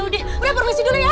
udah bu aku permisi dulu ya